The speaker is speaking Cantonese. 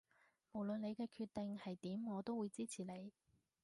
無論你嘅決定係點我都會支持你